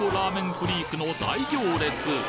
フリークの大行列